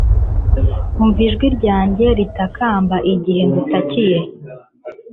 Umva ijwi ryanjye ritakamba igihe ngutakiye